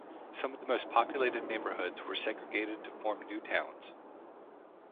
Some of the most populated neighborhoods were segregated to form new towns.